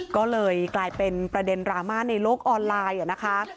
ก็เลยกลายเป็นประเด็นดราม่าในโลกออนไลน์นะคะ